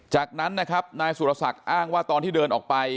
จากนั้นนะครับนายสุรศักดิ์อ้างว่าตอนที่เดินออกไป